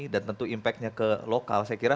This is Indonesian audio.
dan tentu impactnya ke lokal saya kira